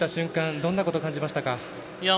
どんなことを感じましたか？